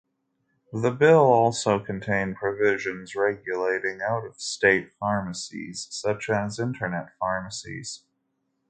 The bill also contained provisions regulating out-of-state pharmacies such as "Internet Pharmacies".